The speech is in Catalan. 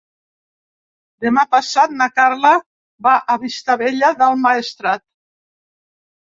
Demà passat na Carla va a Vistabella del Maestrat.